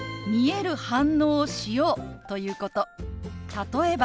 例えば。